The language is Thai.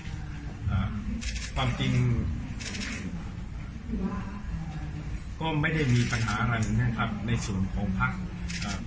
ตอนนี้ก็ไม่ได้มีปัญหาอะไรนะครับในส่วนของพัก